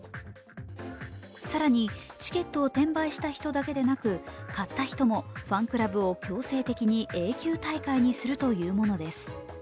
更にチケットを転売した人だけでなく、買った人もファンクラブを強制的に永久退会にするというものです。